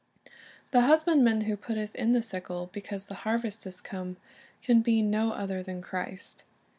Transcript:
The husbandman who "putteth in the sickle, because the harvest is come," can be no other than Christ.